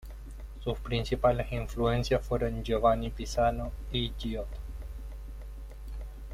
Sus principales influencias fueron Giovanni Pisano y Giotto.